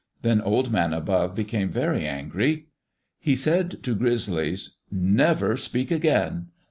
Then Old Man Above became very angry. He said to Grizzlies: "Never speak again.